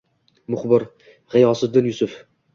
Muxbir: G'iyosiddin Yusuf